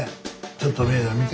ちょっと三枝子さん見て。